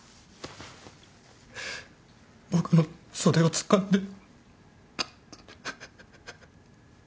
僕の袖をつかんで。